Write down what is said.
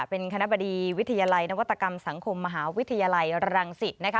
เป็นคณะบดีวิทยาลัยนวัตกรรมสังคมมหาวิทยาลัยรังสิตนะคะ